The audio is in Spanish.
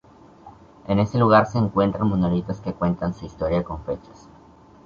En ese lugar se encuentran monolitos que cuentan su historia con fechas.